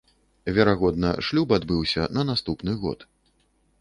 Верагодна, шлюб адбыўся на наступны год.